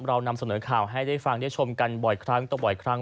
เรานำเสนอข่าวให้ได้ฟังได้ชมกันบ่อยครั้งต่อบ่อยครั้ง